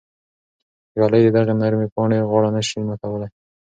ږلۍ د دغې نرمې پاڼې غاړه نه شي ماتولی.